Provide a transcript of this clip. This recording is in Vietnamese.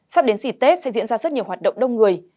sắp đến dịp tết sẽ diễn ra rất nhiều hoạt động đông người